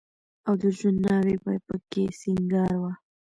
او د ژوند ناوې به په کې سينګار وه.